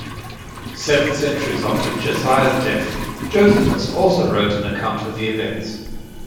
Seven centuries after Josiah's death, Josephus also wrote an account of the events.